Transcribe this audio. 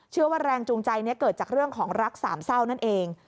เชื่อว่าแรงจงใจเกิดจากเรื่องรักสามเศร้านั่นเอง